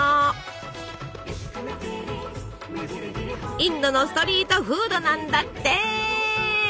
インドのストリートフードなんだって！